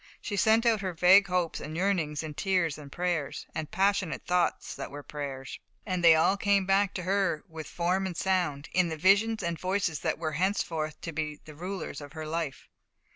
She sent out her vague hopes and yearnings in tears and prayers, and passionate thoughts that were prayers, and they all came back to her with form and sound, in the visions and voices that were henceforth to be the rulers of her life.